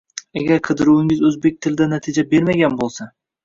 Agar qidiruvingiz o’zbek tilida natija bermagan bo’lsa